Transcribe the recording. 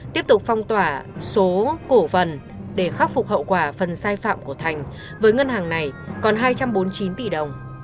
tiếp tục phong tỏa số cổ phần để khắc phục hậu quả phần sai phạm của thành với ngân hàng này còn hai trăm bốn mươi chín tỷ đồng